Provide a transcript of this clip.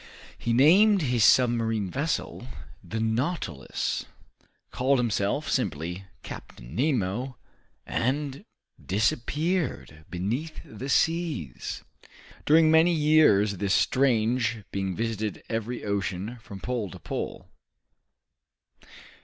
He named his submarine vessel the "Nautilus," called himself simply Captain Nemo, and disappeared beneath the seas. During many years this strange being visited every ocean, from pole to pole.